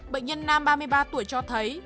bệnh nhân nam ba mươi ba tuổi cho thấy